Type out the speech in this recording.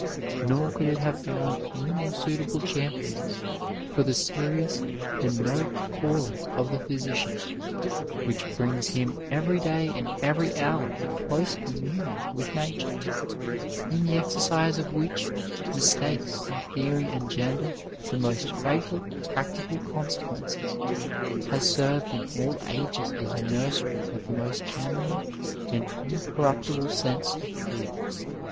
Nor could it have found any more suitable champions, for the serious and noble calling of the physician, which brings him every day and every hour in close communion with nature, in the exer cise of which mistakes in theory engender the most fatal practical consequences, has served in all ages as a nursery of the most genuine and incorruptible sense of truth.